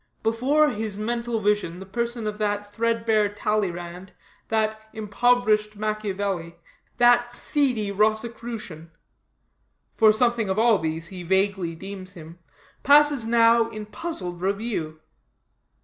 Before his mental vision the person of that threadbare Talleyrand, that impoverished Machiavelli, that seedy Rosicrucian for something of all these he vaguely deems him passes now in puzzled review.